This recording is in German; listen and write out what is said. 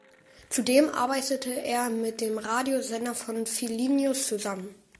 Zudem arbeitete er mit dem Radiosender von Vilnius zusammen.